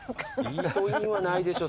イートインはないでしょ